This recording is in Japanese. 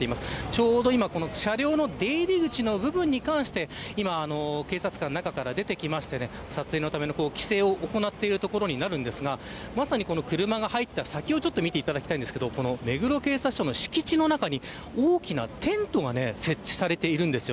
ちょうど今車両の出入り口の部分に関して警察官が中から出てきまして撮影のための規制を行っているところですが車が入った先を見ていただきたいんですけど目黒警察署の敷地の中に大きなテントが設置されているんです。